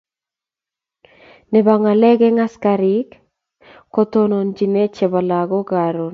ne bo ngalek eng askariik kotonontochine che bo logoiwek karon.